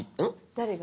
誰が？